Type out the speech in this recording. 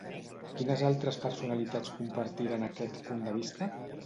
Quines altres personalitats compartiren aquest punt de vista?